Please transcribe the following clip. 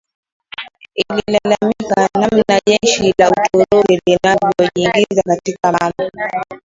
ililalamika namna jeshi la Uturuki linavojiingiza katika mambo